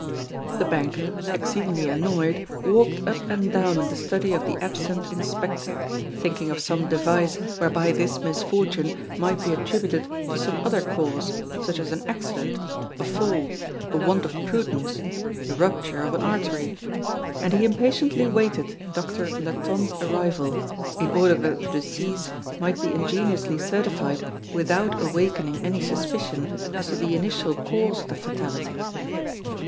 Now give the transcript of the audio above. The banker, exceedingly annoyed, walked up and down in the study of the absent inspector, thinking of some device whereby this misfortune might be attributed to some other cause, such as an accident, a fall, a want of prudence, the rupture of an artery; and he impatiently awaited Doctor Latonne's arrival in order that the decease might be ingeniously certified without awakening any suspicion as to the initial cause of the fatality.